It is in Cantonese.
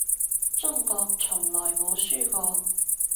中國從來冇輸過